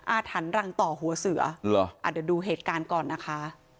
อาถรรพ์รังต่อหัวเสือเดี๋ยวดูเหตุการณ์ก่อนนะคะ